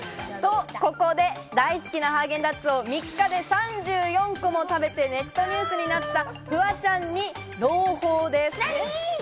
大好きなハーゲンダッツを３日で３４個も食べてネットニュースになったフワちゃんに朗報です。